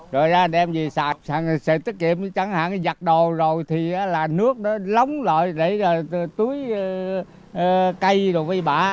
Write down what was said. rồi ra đem về xạc sẽ tiết kiệm chẳng hạn giặt đồ rồi thì là nước đó lóng lại để túi cây rồi với bà